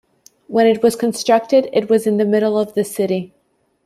When it was constructed it was in the middle of the city.